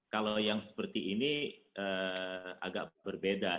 kalau yang seperti ini agak berbeda